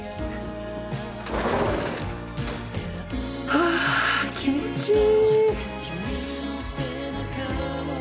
ハァ気持ちいい！